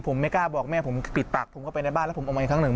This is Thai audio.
ผมไม่กล้าบอกแม่ผมปิดปากผมเข้าไปในบ้านแล้วผมออกมาอีกครั้งหนึ่ง